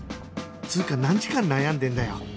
つーか何時間悩んでんだよ？